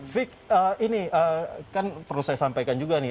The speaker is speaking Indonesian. fik ini kan perlu saya sampaikan juga nih